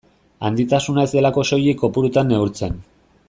Handitasuna ez delako soilik kopurutan neurtzen.